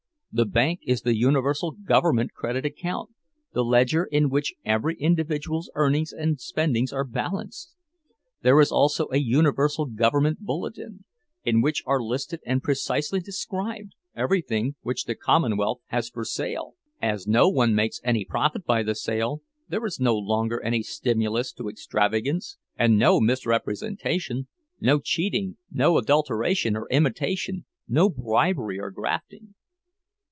The bank is the universal government credit account, the ledger in which every individual's earnings and spendings are balanced. There is also a universal government bulletin, in which are listed and precisely described everything which the commonwealth has for sale. As no one makes any profit by the sale, there is no longer any stimulus to extravagance, and no misrepresentation; no cheating, no adulteration or imitation, no bribery or 'grafting.